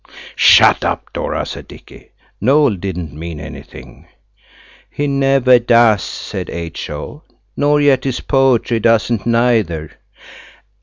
"Shut up, Dora!" said Dicky, "Noël didn't mean anything." "He never does," said H.O., "nor yet his poetry doesn't neither."